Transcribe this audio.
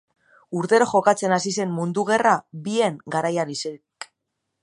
Urtero jokatzen hasi zen Mundu Gerra bien garaian ezik.